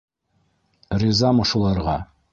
Ризамы шуларға?